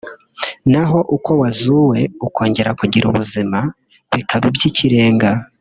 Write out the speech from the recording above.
naho uko wazuwe ukongera kugira ubuzima bikaba iby’ikirenga